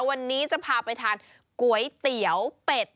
วันนี้จะพาไปทานก๋วยเตี๋ยวเป็ด